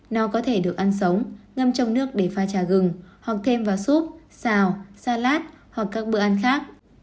nó có thể được ăn sống ngâm trong nước để pha trà gừng hoặc thêm vào súp xào salat hoặc các bữa ăn khác